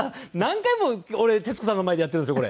何回も俺徹子さんの前でやってるんですよ